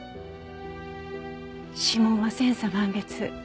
指紋は千差万別。